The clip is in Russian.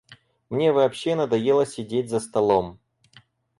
Мне вообще надоело сидеть за столом.